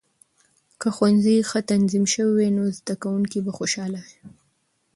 که ښوونځي ښه تنظیم شوي وي، نو زده کونکې به خوشاله وي.